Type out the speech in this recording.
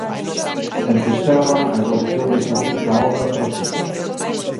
En Fisterra, a evolución desta quinta onda preocupa.